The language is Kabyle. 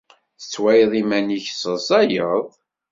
Tettwalid iman-nnek tesseḍsayed?